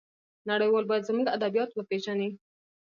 نړيوال بايد زموږ ادبيات وپېژني.